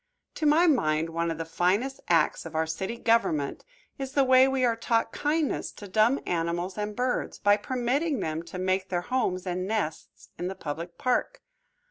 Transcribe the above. To my mind one of the finest acts of our city government is the way we are taught kindness to dumb animals and birds, by permitting them to make their homes and nests in the public park.